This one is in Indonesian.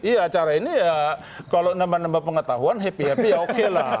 iya acara ini kalau nambah nambah pengetahuan happy happy ya oke lah